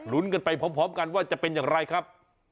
กันไปพร้อมกันว่าจะเป็นอย่างไรครับ